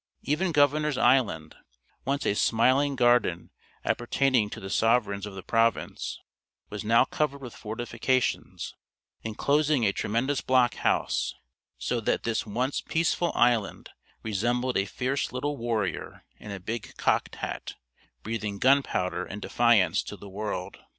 Even Governor's Island, once a smiling garden appertaining to the sovereigns of the province, was now covered with fortifications, inclosing a tremendous block house; so that this once peaceful island resembled a fierce little warrior in a big cocked hat, breathing gunpowder and defiance to the world!